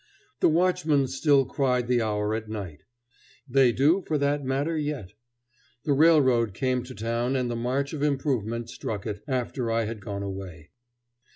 The watchmen still cried the hour at night They do, for that matter, yet. The railroad came to town and the march of improvement struck it, after I had gone away.